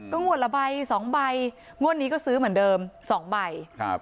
ก็งวดละใบ๒ใบงวดนี้ก็ซื้อเหมือนเดิม๒ใบ